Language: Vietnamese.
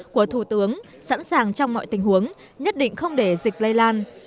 của thủ tướng sẵn sàng trong mọi tình huống nhất định không để dịch lây lan